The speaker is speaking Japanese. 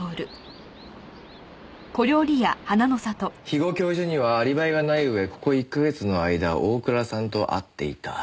肥後教授にはアリバイがない上ここ１か月の間大倉さんと会っていた。